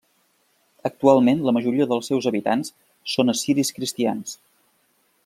Actualment la majoria dels seus habitants són assiris cristians.